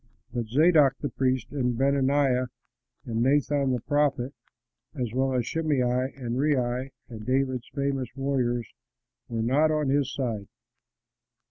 But Zadok the priest and Benaiah and Nathan the prophet, as well as Shimei and Rei and David's famous warriors, were not on his side.